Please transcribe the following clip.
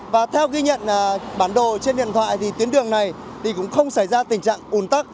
và theo ghi nhận bản đồ trên điện thoại thì tuyến đường này thì cũng không xảy ra tình trạng ùn tắc